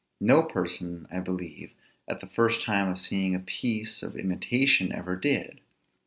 No person, I believe, at the first time of seeing a piece of imitation ever did.